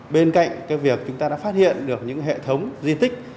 bên cạnh việc chúng ta đã phát hiện được những hệ thống di tích